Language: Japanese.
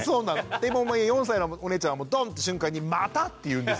でもう４歳のお姉ちゃんは「ドン！」って瞬間に「また？」って言うんです。